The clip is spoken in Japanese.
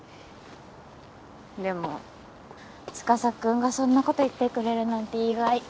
でも司くんがそんな事言ってくれるなんて意外。